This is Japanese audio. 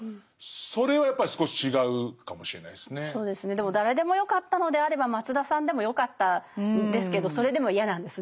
でも誰でもよかったのであれば松田さんでもよかったんですけどそれでも嫌なんですね。